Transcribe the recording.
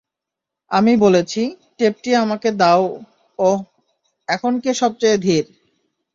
আমি বলেছি, টেপটি আমাকে দাও ওহ এখন কে সবচেয়ে ধীর?